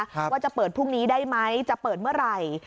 ว่าจะเปิดพรุ่งนี้ได้ไหมจะเปิดเมื่อไหร่